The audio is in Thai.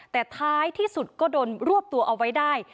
แต่ท้ายที่สุดก็โดนรวบตัวเอาไว้ได้